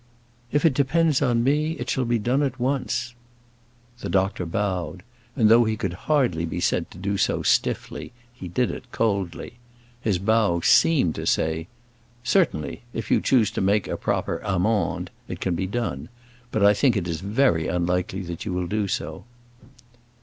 "If it depends on me, it shall be done at once." The doctor bowed. And though he could hardly be said to do so stiffly, he did it coldly. His bow seemed to say, "Certainly; if you choose to make a proper amende it can be done. But I think it is very unlikely that you will do so."